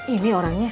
ini udah enak